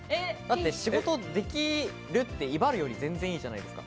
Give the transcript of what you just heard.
仕事できるって威張るより全然いいじゃないですか。